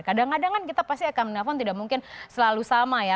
kadang kadang kan kita pasti akan menelpon tidak mungkin selalu sama ya